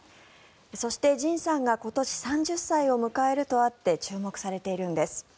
そして、ＪＩＮさんが今年３０歳を迎えるとあって注目されているんです。